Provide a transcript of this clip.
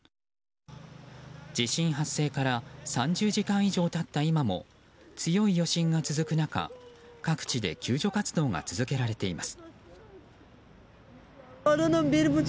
地震発生から３０時間以上経った今も強い余震が続く中各地で救助活動が続けられています。